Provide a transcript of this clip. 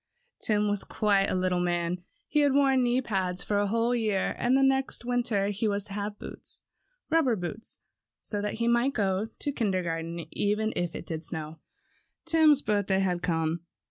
Tim was quite a little man. He had worn knee pants for a whole year, and next winter he was to have boots, rubber boots, so that he might go to kindergarten even if it did snow. Tim's birthday had come.